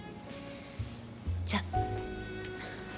じゃあ。